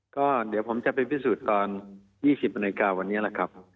ก็เดี๋ยวผมจะไปพิสูจน์ตอน๒๐นาฬิกาวันนี้แหละครับ